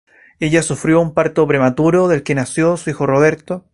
Ella sufrió un parto prematuro del que nació su hijo Roberto.